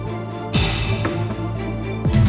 อ้าว